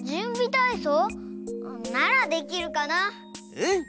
うん。